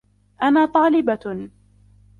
أنا طالبة.